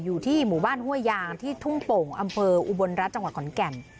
อยู่ที่หมู่บ้านห้วยยางที่ทุ่งโป่งอำเภออุบลรัฐจังหวัดขอนแก่น